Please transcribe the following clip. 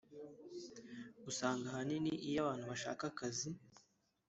Usanga ahanini iyo abantu bashaka akazi